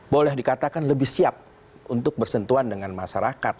boleh dikatakan lebih siap untuk bersentuhan dengan masyarakat